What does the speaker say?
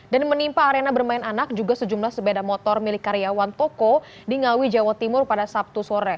dan menimpa arena bermain anak juga sejumlah sebeda motor milik karyawan toko di ngawi jawa timur pada sabtu sore